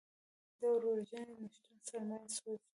د اور وژنې نشتون سرمایه سوځوي.